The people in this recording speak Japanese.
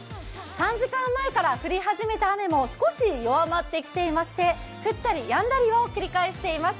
３時間前から降り始めた雨も少し弱まってきていまして降ったりやんだりを繰り返しています。